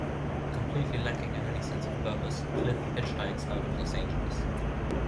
Completely lacking in any sense of purpose, Cliff hitchhikes out of Los Angeles.